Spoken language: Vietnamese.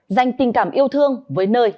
danh tình cảm yêu thương với nơi